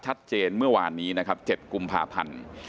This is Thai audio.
ชัดเจนเมื่อวานนี้๗กุมภาพันธ์